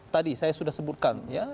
tadi saya sudah sebutkan ya